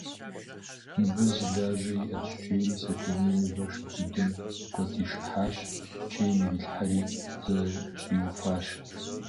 Мыбы зы лажьэ иӏэщ, – жери Сэтэней мывэр шэхудэм кӏуэцӏишыхьащ, чейм ирилъхьэри зэщӏиуфащ.